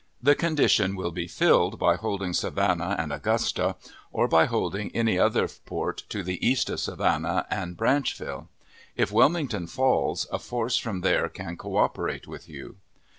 The condition will be filled by holding Savannah and Augusta, or by holding any other port to the east of Savannah and Branchville. If Wilmington falls, a force from there can cooperate with you.